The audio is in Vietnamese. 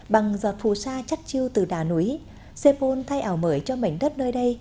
bằng giọt phù sa chắc chiêu từ đá núi sepol thay ảo mới cho mảnh đất nơi đây